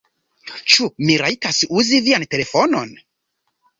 Ĉu mi rajtas uzi vian telefonon?